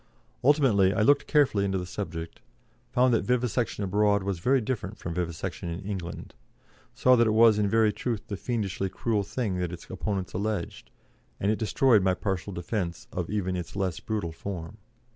Ultimately, I looked carefully into the subject, found that vivisection abroad was very different from vivisection in England, saw that it was in very truth the fiendishly cruel thing that its opponents alleged, and destroyed my partial defence of even its less brutal form.